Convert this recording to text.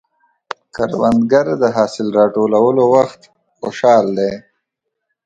کروندګر د حاصل راټولولو وخت خوشحال دی